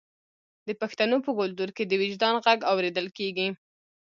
د پښتنو په کلتور کې د وجدان غږ اوریدل کیږي.